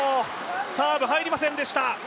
サーブ入りませんでした。